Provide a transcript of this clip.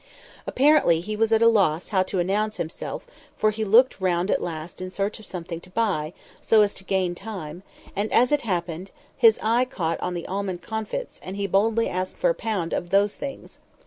Apparently he was at a loss how to announce himself, for he looked round at last in search of something to buy, so as to gain time, and, as it happened, his eye caught on the almond comfits, and he boldly asked for a pound of "those things."